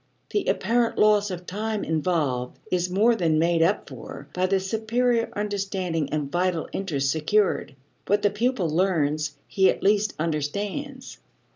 The apparent loss of time involved is more than made up for by the superior understanding and vital interest secured. What the pupil learns he at least understands.